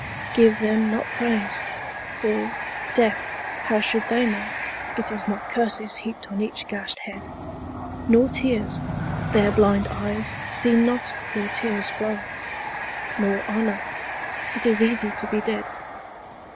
Give them not praise. For, deaf, how should they know It is not curses heaped on each gashed head ? Nor tears. Their blind eyes see not your tears flow. Nor honour. It is easy to be dead.